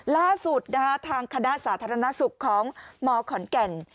ล่าสุดทางคณะสาธารณสุขของมขอนแก่น